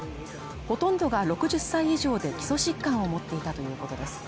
ほとんどが６０歳以上で基礎疾患を持っていたということです。